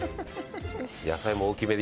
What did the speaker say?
「野菜も大きめに」